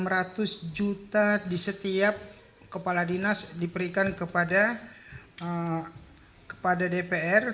rp enam ratus juta di setiap kepala dinas diberikan kepada dpr